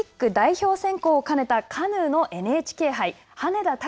さあ、オリンピック代表選考を兼ねたカヌーのＮＨＫ杯。